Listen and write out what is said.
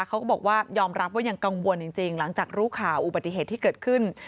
เขาก็บอกว่ายอมรับว่ายังกังวลจริงหลังจากรู้ข่าวอุบัติเหตุที่เกิดขึ้น